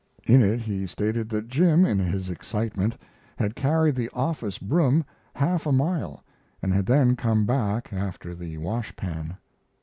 In it he stated that Jim in his excitement had carried the office broom half a mile and had then come back after the wash pan.